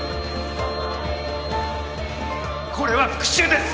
これは復讐です！